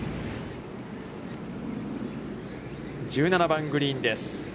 １７番グリーンです。